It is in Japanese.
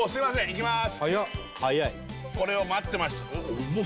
いきます